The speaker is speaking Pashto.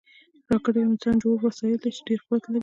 راکټ یو انسانجوړ وسایل دي چې ډېر قوت لري